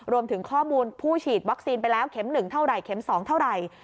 รวมถึงข้อมูลผู้ฉีดวัคซีนไปแล้วเข็ม๑เท่าไหร่เข็ม๒เท่าไหร่